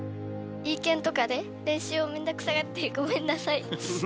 Ｅ検とかで練習をめんどくさがってごめんなさい。